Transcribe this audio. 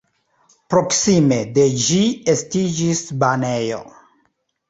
Proksime de ĝi estiĝis banejo.